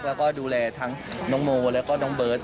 แล้วก็ดูแลทั้งน้องโมแล้วก็น้องเบิร์ต